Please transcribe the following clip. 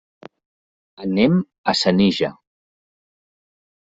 Anem a Senija.